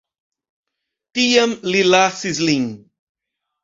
Tiam li lasis lin.